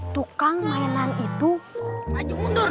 tukang mainan itu maju mundur